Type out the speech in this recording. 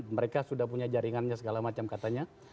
mereka sudah punya jaringannya segala macam katanya